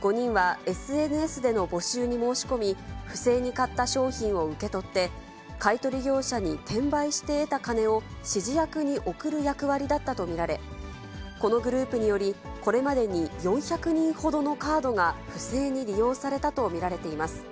５人はＳＮＳでの募集に申し込み、不正に買った商品を受け取って、買い取り業者に転売して得た金を指示役に送る役割だったと見られ、このグループにより、これまでに４００人ほどのカードが不正に利用されたと見られています。